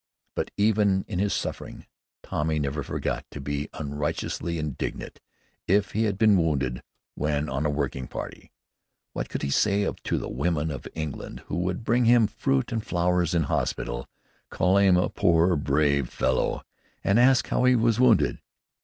But even in his suffering Tommy never forgot to be unrighteously indignant if he had been wounded when on a working party. What could he say to the women of England who would bring him fruit and flowers in hospital, call him a "poor brave fellow," and ask how he was wounded?